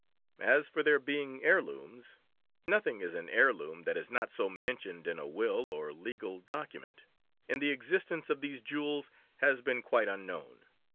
As for their being heirlooms, nothing is an heirloom that is not so mentioned in a will or legal document, and the existence of these jewels has been quite unknown.